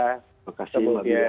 terima kasih mbak adila